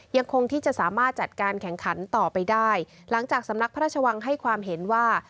ยังคงที่จะสามารถจัดการแข่งขันต่อไปได้หลังจากสำนักพระราชวังให้ความเห็นว่า